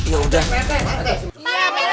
ya udah pak rete